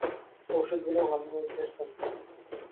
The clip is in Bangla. ওষুধগুলো হলরুমে শেষ প্রান্তে!